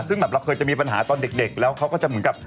ซึ่งแบบเราเคยจะมีปัญหาตอนเด็กแล้วเขาก็จะเหมือนกับ